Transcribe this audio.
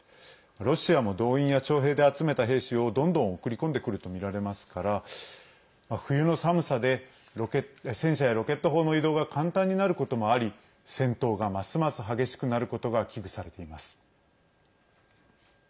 ロシアも、動員や徴兵で集めた兵士をどんどん送り込んでくるとみられますから冬の寒さで戦車やロケット砲の移動が簡単になることもあり戦闘がますます激しくなることが危惧されています。